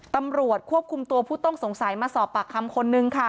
ตำรวจควบคุมตัวผู้ต้องสงสัยมาสอบปากคำคนนึงค่ะ